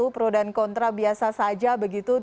pro dan kontra biasa saja begitu